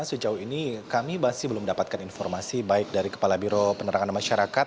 sejauh ini kami masih belum mendapatkan informasi baik dari kepala biro penerangan masyarakat